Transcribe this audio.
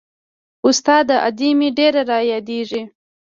استاده ادې مې ډېره رايادېږي.